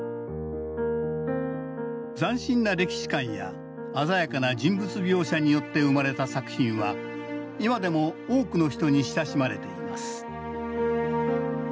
斬新な歴史観や鮮やかな人物描写によって生まれた作品は今でも多くの人に親しまれています